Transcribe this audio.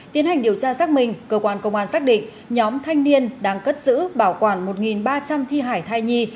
tiến hành điều tra xác minh cơ quan công an xác định nhóm thanh niên đang cất giữ bảo quản một ba trăm linh thi hải thai nhi